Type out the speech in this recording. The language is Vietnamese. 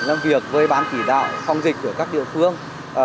làm việc với ban chỉ đạo phòng dịch của các địa phương